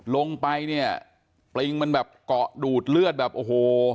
ลงไปเนี่ยปริงมันแบบเกาะดูดเลือดแบบโอ้โห